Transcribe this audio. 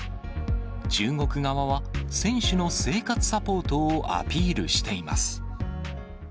中国側は、選手の生活サポートをアピールしています。